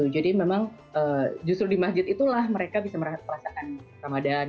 jadi memang justru di masjid itulah mereka bisa merasakan ramadan